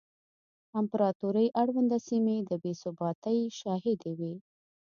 امپراتورۍ اړونده سیمې د بې ثباتۍ شاهدې وې